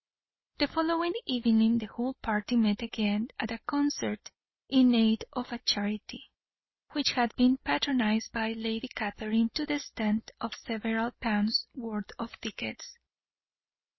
The following evening the whole party met again at a concert in aid of a charity, which had been patronized by Lady Catherine to the extent of several pounds' worth of tickets.